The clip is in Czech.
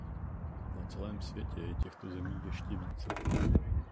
Na celém světě je těchto zemí ještě více.